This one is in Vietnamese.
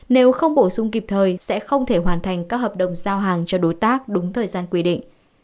nếu không bổ sung kịp thời sẽ không thể hoàn thành các hợp đồng giao hàng cho đối tác đúng thời gian quy định